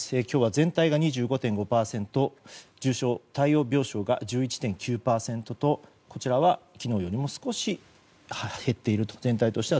今日は全体が２５．５％重症者対応病床が１１．９％とこちらは昨日よりも少し減っていると。